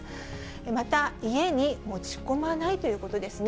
また、家に持ち込まないということですね。